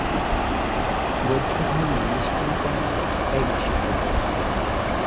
বৌদ্ধধর্মে নিষ্কাম কর্মের ভাবটাই বেশী প্রবল।